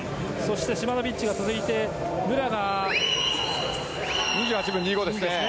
シマノビッチが続いて武良が２８秒２５ですね。